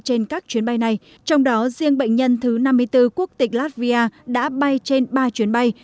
trên các chuyến bay này trong đó riêng bệnh nhân thứ năm mươi bốn quốc tịch latvia đã bay trên ba chuyến bay